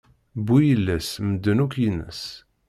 Bu-yiles medden yakk ines!